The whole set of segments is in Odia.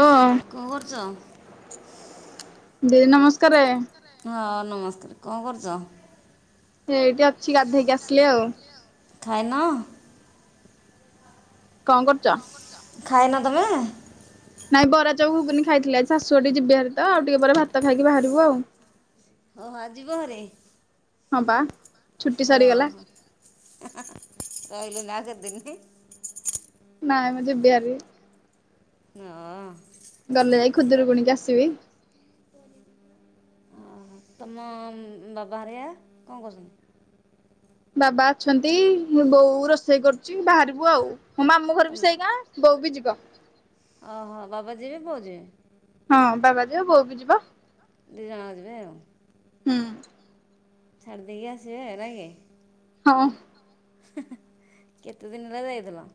ଓ କଆଁ [unintelligible] ଦେଇ ନମସ୍କାରେ। ହଁ ନମସ୍କାର କଆଁ କରୁଚ? ସେ ଏଇଠି ଅଛି ଗାଧେଇକି ଆସିଲେ ଆଉ। ଖାଇନ? କଣ କରୁଛ? ଖାଇନ ତମେ? ନାଇଁ ବରା ଚାଉକ ହୁକୁନି ଖାଇଥିଲା ଶାଶୁଆ ଟିକେ ଯିବାରି ତ ଆଉ ଟିକେ ପରେ ଭାତ ଖାଇକି ବାହାରିବୁ ଆଉ। ଓହ ଆଜି ଯିବ ବାହାରି। ହଁ ବା। ହ [unintelligible] ନାଇଁ ମୁଁ ଯିବି ହାରି। ହଁ। ଗଲେ ଯାଇ କି ତ ଖୁଦୁରୁକୁୁଣିକି ଆସିବି। ତମ ବାବା ହାରଆ କଅଁ [unintelligible] ବାବା ଅଛନ୍ତି ବୋଉ ରୋଷେଇ କରୁଛି ବାହାରିବୁ ଆଉ। ମୋ ମାମୁଁ ଘର ତମ ବି ସେଇ ଗାଁ ବୋଉ ବି ଯିବ। ଅହୋ ବାବା ଯିବେ ବଉ ଯିବେ। ହଁ ବାବା ଯିବ ବୋଉ ବି ଯିବ। ଦିଇ ଜଣ ଯିବେ ଆଉ। ହୁଁ। ଛାଡ଼ିି ଦେଇକି ଆସିବେ ନାଇକ କି। ହଁ। କେତେ ଦିନ ହେରେ ଯାଇଥିଲ?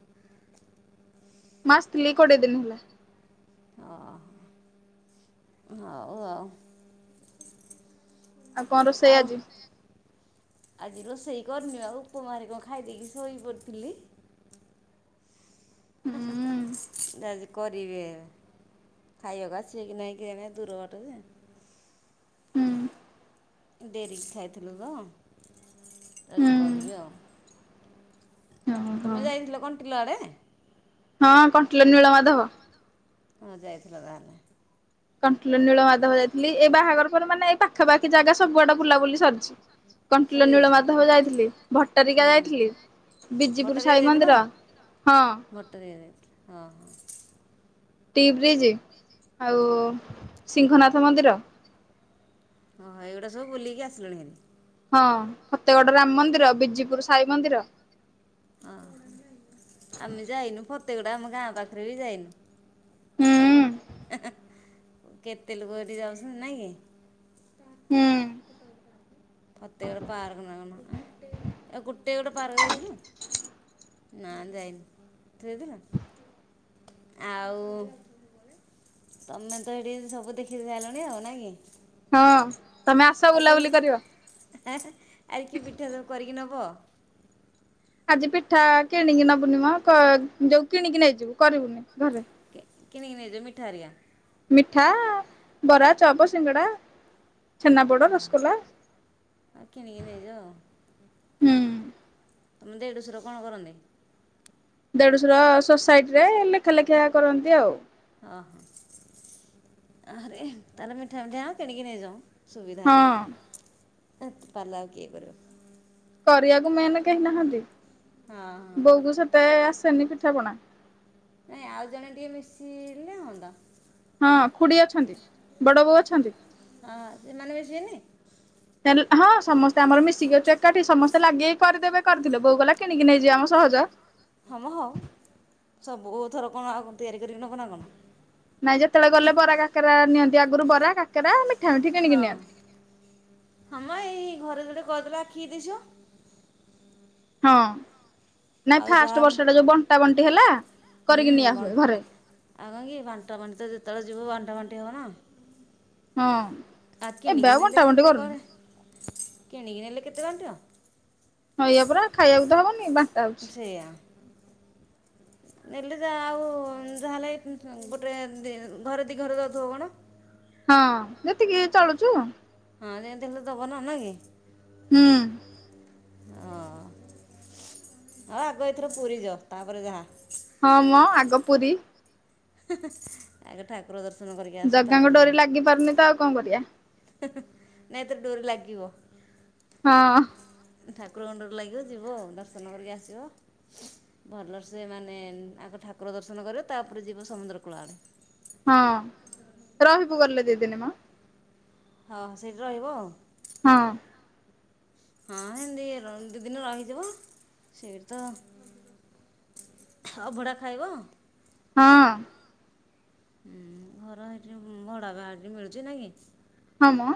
ମସ୍ [unintelligible] ହଁ ହଉ ଆଉ। ଆଉ କଣ ରୋଷେଇ ଆଉ ଆଜି ଆଜି ରୋଷେଇ କରିନି ଆଉ ଉପମା ହାରାରେ କଣ ଖାଇ ଦେଇକି ଶୋଇପଡିଥିଲି। ହୁଁ ଯାଉଚି କରିବି ଏବେ। ଖାଇବାକୁ ଆସିବେ କି ନାଇ ଏ ଦୂର ବାଟ ଯେ ହୁଁ। ଡେରିକି ଖଥାଇଥିଲୁ ତ ଯାଉଚି କରିବି ହୁଁ ଆଉ। ହଁ ତମେ ହଁ। ଯାଇନଥିଲ [unintelligible] ହଁ କଣ୍ଟିଲ ନୀଳମାଧବ। ହଁ ଯାଇଥିଲ ତାହେଲେ। କଣ୍ ନୀଳ ମାଧ ଯାଇଥିଲ ଏ ବାହାଘର ପରେ ମାନେ ଏଇ ପାଖାପାଖି ଜାଗା ସବୁଆଡେ ବୁଲାବୁଲି ସରିଛି। କଣ୍ଟଲ ସରିଯାଇଛି ନୀଳମାଧବ ଯାଇଥିଲି ଭଟାରିକା ହୁଁ ଯାଇଥିଲି। ବିଜିପୁର ସାଇ ମନ୍ଦିର ହଁ। ମୋଟରେ [unintelligible] ହଁ। ଟି ବ୍ରିଜ୍ ଆଉ ସିଂହନାଥ ମନ୍ଦିର। ଓହ ଏଗୁଡା ସବୁଲକି ଆସିଲଣି ହେଲେ। ହଁ ଫତେଗଡ ରାମ ମନ୍ଦିର ବିଜିପୁର ସାଇ ମନ୍ଦିର। ହଁ ଆମେ ଯାଇନୁ ପ୍ରତ୍ୟେକଟା ଆମ ଗାଁ ପାଖରେ ବି ଯାଇନୁ। ହୁଁ କେତେ ଲୁୋକରି ଯାଉଛନ୍ତି ନାଇଁ କି। ହୁଁ। ମତେ ଗୋଟେ ପାର୍କ ନୋଉନାହାନ୍ତି ଏ ଗୋଟେ ଗୋଟେ ପାର୍କ ଯାଇଥିଲୁ। ନା ଯାଇନି ତୁ ଯାଇଥିଲୁ ଆଉ ତମେ ତ ଏଠି ସବୁ ଦେଖି ସାଇଲଣି ଆଉ ନା କି। ହଁ। ତମେ ଆସ ବୁଲାବୁଲି କରିବ। ଖାଇସାଇଲେହେ [unintelligible] ଏ କିଏ ପିଠା ସବୁ କରିକି ନବ? ଆଜି ପିଠା କିଣିକି ନବୁନି କ ଯୋଉ କିଣିକି ନେଇଯିବୁ କରିବୁନି ଘରେ। କିଣିକି ନେଇଯିବି ମିଠା ହେରିକା। ମିଠା, ବରା, ଚପ, ସିଙ୍ଗଡା, ଛେନାପୋଡ, ରସଗୋଲା ଆ କିଣିକି ନେଇଯିବ। ହୁଁ ତମ ଦେଢୁଶର କଣ କରନ୍ତି? ଦେଢଶର ସୋସାଇଟିରେ ଲେଖା ଲେଖି ଆ କରନ୍ତି ଆଉ। ହଁ ହଁ ଆରେ ତାହେଲେ ମିଠା ମିଠା କିଣିକି ନେଇଯାଉ। ସୁବିଧା ହଁ ଏ ପାଲ ଆଉ କିଏ କରିବ। କରିବାକୁ ମେନ୍ କେହି ନାହାନ୍ତି। ହଁ ହଁ ବୋଉକୁ ସେତେ ଆସେନି ପିଠାପଣା। ନାଇଁ ଆଉ ଜଣେ ଟିକେ ମିଶିଲେ ହୁଅନ୍ତା। ହଁ ଖୁଡି ଅଛନ୍ତି। ବଡ ବୋଉ ଅଛନ୍ତି। ଆଁ ସେମାନେ ମିଶିବେନି। ହେଲେ ହଁ ସମସ୍ତେ ଆମର ମିଶିକି ଅଛୁ ଏକାଠି ସମ ସ୍ତେ ଲାଗିକି କରିଦେବେ କରିଥିଲୁ ବୋଉ କହିଲା କିଣିକି ନେଇଯିବାମ ସହଜ। ହଁମ ହଁ ସବୁ ଥର କଣ ଆଉ ତିଆରି କରିକି ନବନା କଣ। ନାଇଁ ଯେତେବେଳେ ଗଲେ ବରା କାକେରା ନିଅନ୍ତି ଆଗରୁ ବରା କାକେରା ମି ହଁ ହଁ ମ ଏଇ ଘରେ ଯୋଡେ କରିଦେଲେ ଆଖିକି ଦିସିବ। ହଁ ନା ଆଉ ଯାହା ଫାଷ୍ଟ ହୁଁ ବର୍ଷଟା ଯୋଉ ବଣ୍ଟା ବଣ୍ଟି ହେଲା କରିକି ବ ନିଆହୁଏ ଘରେ। ଆଉ କଣକି ବାଣ୍ଟା ବାଣ୍ଟି ତ ଯେତେବେଳେ ଯିବୁ ବାଣ୍ଟ ବାଣ୍ଟି ହେବ ନା। ହଁ। ଆଉ ଏବେ କିଣିକି ବଣ୍ଟା ନେଲେ ବଣ୍ଟି କେତେ କରୁନୁ କୁଆଡେ କିଣି କି ନେଲେ କେତେ ବାଣ୍ଟିବ। ହେଇୟା ପରା ଖାଇବାକୁ ତ ହବନି ବାଣ୍ଟା ହୋଉଚି। ସେଇଆ। ନେଲେ ଯାହା ହୋଉ ଯାହା ହେଲେ ଉଁମ ଗୋଟେ ଦି ଘରେ ଦିଘର ଦୋଉଥିବନା? ହଁ ଯେତିକି ଚଳୁଚୁ। ହଁ ଯେମିତି ହେଲେ ଦବନା ନାଁ କି? ହୁଁ। ହଁ ଆ ଆଗ ଏଥର ପୁରି ଯଅ ତାପରେ ଯାହା। ହଁ ମଁ ଆଗ ପୁରି। [unintelligible] ଆଗ ଠାକୁର ଦର୍ଶନ କରିକି ଆସ ଜଗାଙ୍କ ତାପରେ ଡୋରି ଲାଗି ପାରୁନି ତ ଆଉ କଣ କରିବା ଯାହା। ନାଁଇ ଏଥର ଡୋରି ଲାଗିିବ। ହଁ। ଠାକୁରଙ୍କ ଡୋରି ଲାଗିବ ଯିବ ଦର୍ଶନ କରିକି ଆସିବ। ଭଲସେ ମାନେ ଆଗ ଠାକୁର ଦର୍ଶନ କରିବ ତାପରେ ଯିବ ସମୁଦ୍ର କୂଳ ଆଡେ। ହଁ ରହିବୁ ଗଲେ ଦି ଦିନି ମ। ହଁ ସେଇଠି ରହିବ ଆଉ। ହଁ। ହଁ ଏମତି ର ଦିଇ ଦିନି ରହିଯିବ। ସେଇଠି ତ [unintelligible] ଅଭଢା ଖାଇବ। ହଁ। ହୁଁ ଘର ଏଠି ଭଡା ବା ହେଠି ମିଳୁଚି ନା କି? ହଁମ।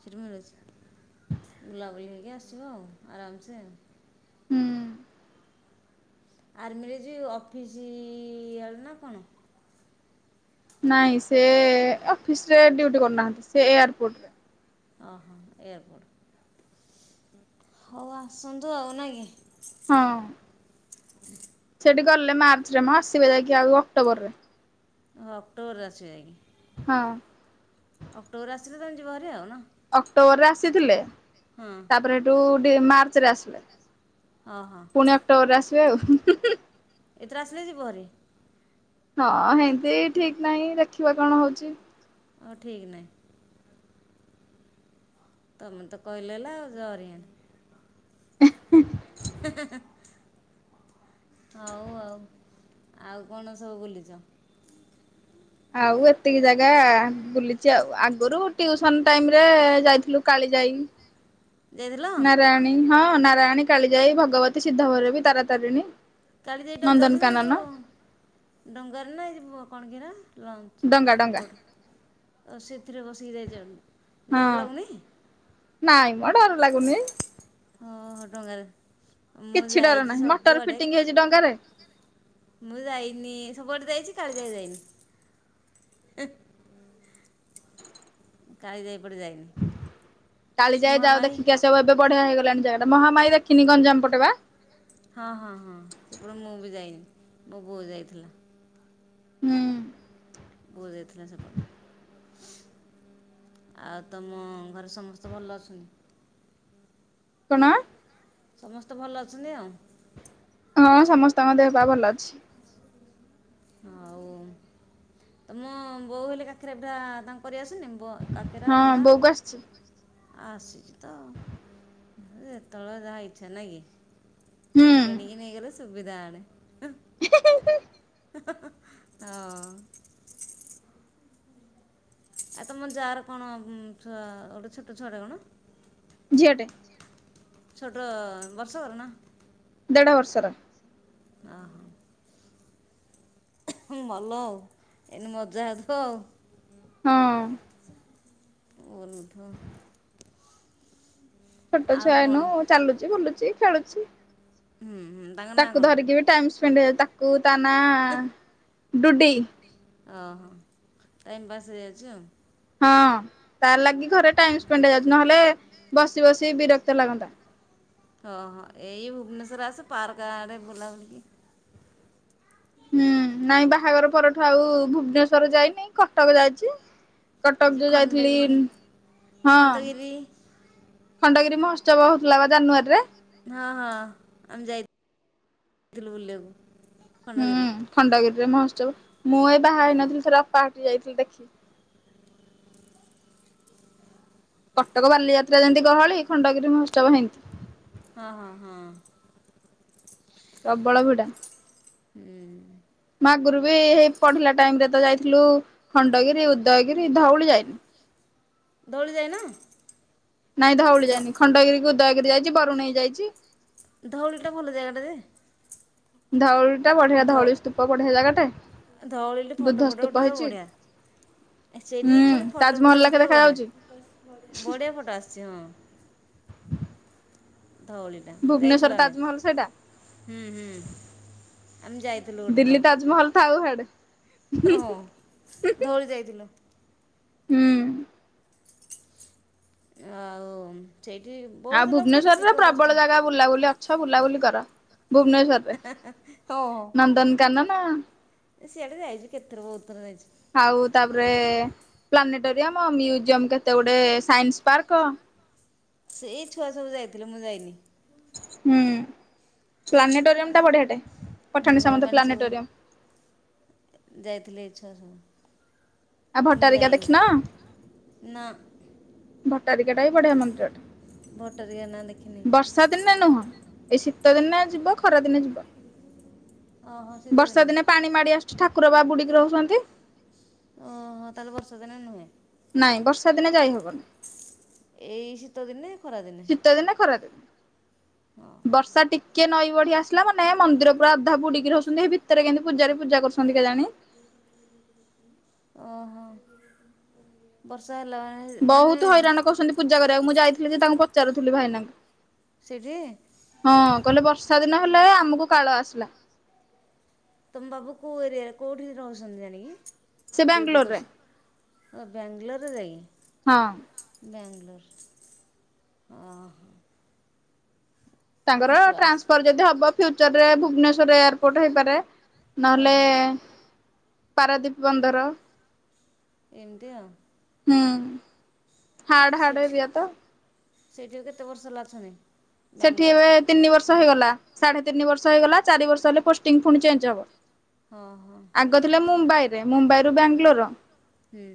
ସେ ରୁମ ରେ ଅଛି ବୁଲାବୁଲି ହେଇକି ଆସିବ ଆଉ ଆରାମସେ। ହୁଁ। ଆର୍ମିରେ ଯିଏ ଅଫିସ୍ ଆଳୁ ନା କଣ? ନାଇ ସେ ଅଫିସ୍ ରେ ଡ୍ୟୁଟି କରୁନାହାନ୍ତି ସେ ଏୟାରପୋର୍ଟ ରେ। ଓହୋ ଏୟାରପୋର୍ଟ ହଉ ଆସନ୍ତୁ ଆଉ ନାଇ କି? ହଁ ସେଠି ଗଲେ ମାର୍ଚ୍ଚରେ ମ ଆସିବ ଯାଇକି ଆଉ ଅକ୍ଟୋବରରେ। ଓ ଅକ୍ଟୋବର ଆସିବ ଯାଇକି? ହଁ। ଅକ୍ଟୋବର ରେ ଆସିଲେ ତମେ ଯିବ ହାରି ଆଉ ନୁହଁ? ଅକ୍ଟୋବର ରେ ଆସିଥିଲେ। ହଁ। ତାପରେ ସେଠୁ ଡି ମାର୍ଚ୍ଚ ରେ ଆସିବେ ହଁ ହଁ ପୁଣି ଅକ୍ଟୋବରରେ ଆସିବେ ଆଉ। ଏଥିର ଆସିଲେ ଯିବ ହାରି? ହଁ ହେନ୍ତି ଠିକ୍ ନାହିଁ ଦେଖିବା କଣ ହଉଚି। ଓ ଠିକ ନାହିଁ। ତମେ ତ କହିଲେ ହେଲା ଆଉ ଜରିଆଣି। [unintelligible] ହେଁ ହେଁ ହେଁ। ହଉ ଆଉ ଆଉ କଣ ସବୁ ବୁଲିଚ? ଆଉ ଏତିକି ଜାଗା ବୁଲିଚି ଆଉ ଆଗରୁ ଟିଉସନ ଟାଇମ ରେ ଯାଇଥିଲୁ କାଳି ଯାଇ। ଯାଇଥିଲ [inaudible] ନାରାୟଣୀ ହଁ ନାରାୟଣୀ କାଳିଜାଇ ଭଗବତୀ ସିଦ୍ଧ ଭୈରବୀ ତାରାତାରିଣୀ। କାଳିଜାଇ ଡଙ୍ଗାରେ ନା ଏ ନନ୍ଦନକାନନ ଯୋଉ ଡଙ୍ଗାର ନା ଏଇ ଯ ବ୍ କଣ କୁ ହେରା? ଡଙ୍ଗା ଲଞ୍ଚ ଡଙ୍ଗା ବୋଡ଼ ଆଉ ସେଥିରେ ବସିକି ଯାଇ ଡର ହଁ ଲାଗୁନି? ନାଇଁ। ମ ଡର ଲାଗୁନି। ଅ ହ ଡଙ୍ଗାରେ। ମୁଁ କିଛି ଡର ଯାଇଚି ନାହିଁ ମଟର ସବୁଆଡେ ଫିଟିଙ୍ଗ ହେଇଛି ଡଙ୍ଗାରେ। ମୁଁ ଯାଇନି ସବୁଆଡେ ଯାଇଚି କାଳୀଯଜାଇ ଯାଇନି। କାଳିଜାଇ ପଟେ ଯାଇନି। କାଲି ଯାଇ ଯାଅ ମହାମାଇ ଦେଖିକି ଆସିବ ଏବେ ବଢିଆ ହେଇଗଲାଣି ଜାଗାଟା ମହାମାୟୀ ଦେଖିନି ଗଞ୍ଜାମ ପଟେ ବା? ହଁ ହଁ ହଁ ସେପଟୁ ମୁଁ ବି ଯାଇନି ମୋ ବୋଉ ଯାଇଥିଲା। ହୁଁ। ବୋଉ ଯାଇଥିଲା ସେପଟେ। ଆଉ ତମ ଘରେ ସମସ୍ତେ ଭଲ ଅଛନ୍ତି। କଣ ସମସ୍ତେ ଭଲ ଅଛନ୍ତି ଆଉ। ହଁ ସମସ୍ତଙ୍କ ଦେହପା ଭଲ ଅଛି। ଆଉ ତମ ବୋଉ ହେଲେ କାକାରା ପିଠା ତାଙ୍କୁ କରି ଆସେନି? ବ କାକେରା ହଁ ମଣ୍ଡା ବୋଉ କୁ ଆସିଛି ଆସିଛି ତ। ହଁ ଯେତେଳେ ଯାହା ଇଛା ହୁଁ ନୁହେକି କିଣିକି ନେଇଗଲେ ସୁବିଧା ହେଣେ। ହଁ ଆଉ ତମ ଯାରକଣ ଛୁଆ ଗୋଟେ ଛୋଟ ଛୁଆଟେ କଣ? ଝିଅଟେ ଛୋଟ ବର୍ଷକରନା ଦେଢ଼ ବର୍ଷର ଆ ହୋ ହଁ ଭଲ ଏଇନେ ମଜା ହଉଥିବ। ହଁ। [unintelligible] ଛୋଟ ଆଉ ଛୁଆ କ'ଣ ହେଇନୁ ଚାଲୁଛି ବୁଲୁଛି ଖେଳୁଛି ହୁଁ ହୁଁ ତାଙ୍କ ନାଁ ତାକୁ କ'ଣ ଧରିକି ବି ଟାଇମ୍ ସ୍ପେଣ୍ଡ ହେଇଯାଉଛି ତାକୁ ତାନା ଡୁଡି। ଓହୋ ଟାଇମ ପାସ୍ ହେଇଯାଉଛି ଆଉ। ହଁ ତାର ଲାଗି ଘରେ ଟାଇମ ସ୍ପେଣ୍ଡ ହେଇଯାଉଛି ନହେଲେ ବସି ବସି ବିରକ୍ତ ଲାଗନ୍ତା। ହଁ ହଁ ଏଇ ଭୁବନେଶ୍ଵର ଆସ ପାର୍କ ଆଡେ ବୁଲା ବୁଲିି ହୁଁ ନାଇଁ ବାହାଘର ପରଠୁ ଆଉ ଭୁବନେଶ୍ୱର ଯାଇନି। କଟକ ଯାଇଛି ଏଇ କଟକ ଯେଉଁ ଯୋଉ ଯାଇଥିଲି ଖଣ୍ଡଗିରି ହଁ ଖଣ୍ଡଗିରି ଖଣ୍ଡଗିରି ମହୋତ୍ସବ ହଉଥିଲା ବା ଜାନୁଆରୀରେ। ହଁ ହଁ ଆମେ ଯାଇୁଥିଲୁ ବୁଲିବାକୁ। ହୁଁ ଖଣ୍ଡଗିରି ଖଣ୍ଡଗିରିରେ ମହୋତ୍ସବ। ମୁଁ ଏ ବାହା ହଁ ହେଇନଥିଲି ଥରେ ଅପା ହଟି ଯାଇଥିଲି ଦେଖି। କଟକ ବାଲିଯାତ୍ରା ଯେମିତି ଗହଳି ଖଣ୍ଡଗିରି ମହୋତ୍ସବ ହେମିତି। ହଁ ହଁ ହଁ। ପ୍ରବଳ ଭିଡା। ହୁଁ। ମାଗରୁ ବି ହେଇ ପଢିଲା ଟାଇମ ରେ ତ ଯାଇଥିଲୁ ଖଣ୍ଡଗିରି, ଉଦୟଗିରି ଧଉଳି ଯାଇନି। ଦଉଳି ଯାଇନ? ନାଇଁ ଧଉଳି ଯାଇନି ଖଣ୍ଡଗିରି କୁ ଉଦୟଗିରି ଯାଇଛି ବରୁଣେଇ ଯାଇଛି। ଧଉଳି ଟା ଭଲ ଜାଗା ଟା ଯେ ଧଉଳି ଟା ବଢିଆ ଧଉଳି ସ୍ତୂପ ବଢ଼ିଆ ଜାଗା ଟେ। ଧଉଳି ରେ ଫଟୋ ଫଟ ଉଠେଇ ଆକୁ ବଢିଆ। ସେଇଠି କି ହୁଁ ଖାଲି ଫଟୋ ତାଜମହଲ ଫଟୋ ଲେଖେ ଉଠେଇ ଦେଖା ବାକୁ ବଢିଆ। ଯାଉଛି ବଢିଆ ଫଟୋ ଆସିଛି, ହଁ। ଧଉଳି ଟା ଭୁବନେଶ୍ୱର ଯାଇଥିଲୁ ଆମେ। ତାଜମହଲ ସେଇଟା ହୁଁ ହୁଁ ଆମେ ଯାଇ ଦିଲ୍ଲୀ ତାଜମହଲ ଥାଉ ହାଡେ ହଁ ଧଉଳି ଯାଇଥିଲୁ। ହୁଁ। ଆଉ ସେଇଠି ଆଉ ବହୁତ ଲୋକ କେତେ ଭୁବନେଶ୍ଵରରେ କୁଆଡୁ ପ୍ରବଳ ଆସୁଛନ୍ତି। ଜାଗା ବୁଲାବୁଲି ଅଛ ବୁଲାବୁଲି କର ଭୁବନେଶ୍ୱର ହଁ ସେଆଡେ ଯାଇଚି କେତେଥର ବହୁଥର ଯାଇଚି। ଆଉ ତାପରେ ପ୍ଲାନେଟୋରିୟମ ମ୍ୟୁଜିୟମ୍ କେତେ ଗୁଡେ ସାଇନ୍ସ ପାର୍କ ସେଇ ଛୁଆ ସବୁ ଯାଇଥିଲେ ମୁଁ ଯାଇନି। ହୁଁ ପ୍ଲାନେଟୋରିୟମ ଟା ବଢିଆଟେ। ପଠାଣି ହୁଁ ସାମନ୍ତ ଏମାନେ ପ୍ଲାନେଟୋରିୟମ। ସବୁ ଯାଇଥିଲେ ଛୁଆ ଆଉ ସବୁ। ମୁଁ ଭଟ୍ଟାରିକା ଯାଇନି, ଦେଖିନ ନା। ଭଟ୍ଟାରିକାଟା ବି ବଢିଆ ମନ୍ଦିରଟେ ଭଟାରିକା ନା ଦେଖିନି ବର୍ଷ ବର୍ଷା ଦିନେ ନୁହଁ ଏଇ ଶୀତ ଦିନେ ଯିବ ଖରାଦିନେ ଯିବ। ଓହୋ ଶୀତ ବର୍ଷା ଦିନେ ପାଣି ମାଡି ଆସୁଛି ଠାକୁର ପା ବୁଡିକି ରହୁଛନ୍ତି। ଓହୋଃ, ତାହେଲେ ବର୍ଷା ଦିନେ ନୁହେଁ? ନାଇଁ ବର୍ଷା ଦିନେ ଯାଇ ହବନି। ଏଇ ଶୀତଦିନେ ଖରାଦିନେ। ଶୀତଦିନେ ଖରାଦିନେ। ହଁ। ବର୍ଷା ଟିକେ ନଈ ବଢି ଆସିଲା ମାନେ ମନ୍ଦିର ପୁରା ଅଧା ବୁଡ଼ିକି ରହୁଛନ୍ତି ସେ ଭିତରେ କେମିତି ପୂଜାରୀ ପୂଜା କରୁଛନ୍ତି କେଜାଣି। ଓହୋଃ। ବର୍ଷା ହେଲା ମାନେ ମାନେ ବହୁତ ହଇରାଣ କରୁଛନ୍ତି ପୂଜା କରିବାକୁ ମୁଁ ଯାଇଥିଲି ଯେ ତାଙ୍କୁ ପଚାରୁଥିଲି ଭାଇନାଙ୍କୁ ସେଠି? ହଁ, କହିଲେ ବର୍ଷା ଦିନ ହେଲେ ଆମକୁ କାଳ ଆସିଲା। ତମ ବାବୁ କୋଉ ଏରିଆରେ କୋଉଠି ରହୁଛନ୍ତି ଜାଣିକି ସେ ଡ୍ୟୁଟି ବାଙ୍ଗାଲୋରରେ କରୁ ଓ ବାଙ୍ଗାଲୋରରେ ଯାଇକି ହଁ। ବାଙ୍ଗଲୋର। ଓହୋ ତାଙ୍କର ଏତ ବାସ ଟ୍ରାନ୍ସଫର ଯଦି ହବ ଫ୍ୟୁଚରରେ ଭୁବନେଶ୍ଵରରେ ଏୟାରପୋର୍ଟ ହେଇପାରେ। ହଁ ନହେଲେ ହଁ ପାରାଦ୍ଵୀପ ବନ୍ଦର। ଏମିତି ଆଉ। ହୁଁ। ହାର୍ଡ ହାର୍ଡ ସେଠି, ଏରିଆ ତ। ସେଇଠି କେତେ ବର୍ଷ ହେଲା ଅଛନ୍ତି? ସେଠି ବାଙ୍ଗଲୋର ଏବେ ତିନି ବର୍ଷ ହେଇଗଲା ସାଢେ ତିନି ବର୍ଷ ହେଇଗଲା ଚାରି ବର୍ଷ ହେଲେ ପୋଷ୍ଟିଂ ପୁଣି ଚେଞ୍ଜ ହବ। ହଁ ହଁ। ଆଗ ଥିଲେ ମୁମ୍ବାଇରେ, ମୁମ୍ବାଇରୁ ବାଙ୍ଗଲୋର। ହୁଁ।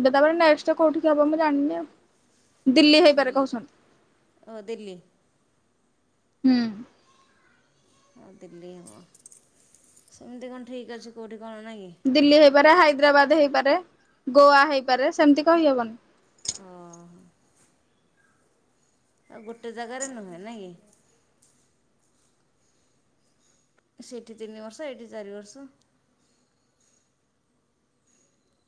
ଏବେ ତାପରେ ନେକ୍ସଟ କୋଉଠିକି ହବ ମୁଁ ଜାଣିନି ଆଉ। ଦିଲ୍ଲୀ ହେଇପାରେ ସେମିତି କହୁଛନ୍ତି, ଓ ଦିଲ୍ଲୀ ହୁଁ। ହଉ ଦିଲ୍ଲୀ ହଁ ସେମିତି କଣ ଠିକ୍ ଅଛି କୋଉଠି କଣ ନା କି। ଦିଲ୍ଲୀ ହେଇପାରେ, ହାଇଦ୍ରାବାଦ ହେଇପାରେ, ଗୋଆ ହେଇପାରେ ସେମିତି କହି ହବନି। ଓ-ଓହୋ। ଆଉ ଗୋଟେ ଜାଗାରେ ନୁହେଁ, ନାଇଁ କି? ସେଇଠି ତିନି ବର୍ଷ ଏଇଠି ଚାରି ବର୍ଷ।